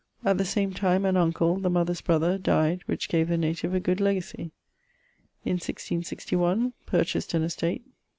At the same tyme an uncle (the mother's brother) dyed, which gave the native a good legacy. In 1661, purchased an estate.